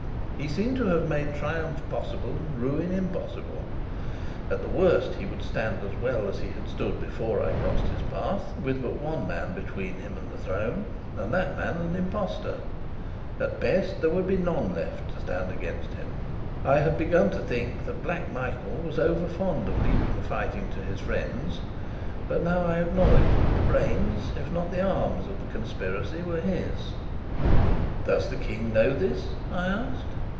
He seemed to have made triumph possible and ruin impossible. At the worst, he would stand as well as he had stood before I crossed his path with but one man between him and the throne, and that man an impostor; at best, there would be none left to stand against him. I had begun to think that Black Michael was over fond of leaving the fighting to his friends; but now I acknowledged that the brains, if not the arms, of the conspiracy were his. "Does the King know this?" I asked.